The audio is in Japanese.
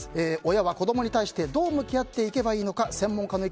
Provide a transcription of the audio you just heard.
親は子供に対してどう向き合っていけばいいのか。